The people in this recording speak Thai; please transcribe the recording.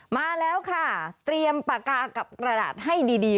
มาแล้วค่ะเตรียมปากกากับกระดาษให้ดี